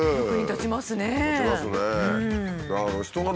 立ちますね。